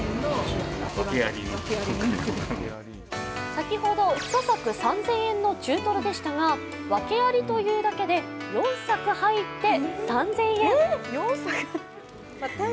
先ほど、１柵３０００円の中トロでしたが、訳ありというだけで４柵入って３０００円。